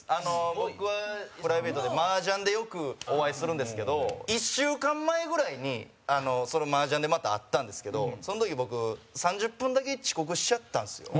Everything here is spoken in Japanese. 僕はプライベートで、麻雀でよくお会いするんですけど１週間前ぐらいに、その麻雀でまた会ったんですけどその時、僕、３０分だけ遅刻しちゃったんですよ。